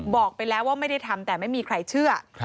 บอกไปแล้วว่าไม่ได้ทำแต่ไม่มีใครเชื่อ